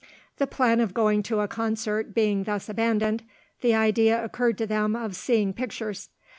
The plan of going to a concert being thus abandoned, the idea occurred to them of seeing pictures.